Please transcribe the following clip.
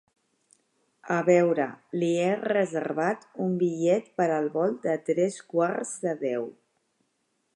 A veure, li he reservat un bitllet per al vol de tres quarts de deu.